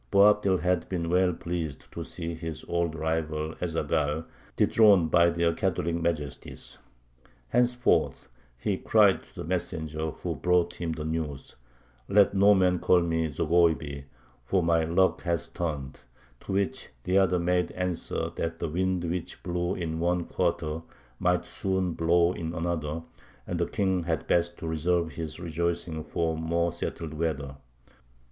Boabdil had been well pleased to see his old rival Ez Zaghal dethroned by their Catholic Majesties: "Henceforth," he cried to the messenger who brought him the news, "let no man call me Zogoiby, for my luck has turned:" to which the other made answer that the wind which blew in one quarter might soon blow in another, and the king had best reserve his rejoicings for more settled weather.